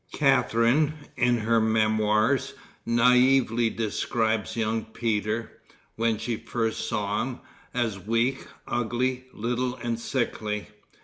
Catharine, in her memoirs, naively describes young Peter, when she first saw him, as "weak, ugly, little and sickly."